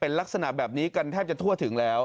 เป็นลักษณะแบบนี้กันแทบจะทั่วถึงแล้ว